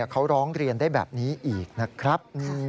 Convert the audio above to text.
เขาร้องเรียนได้แบบนี้อีกนะครับ